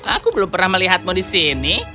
aku belum pernah melihatmu di sini